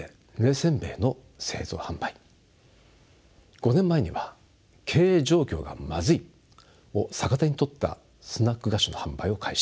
５年前には「経営状況がまずい」を逆手にとったスナック菓子の販売を開始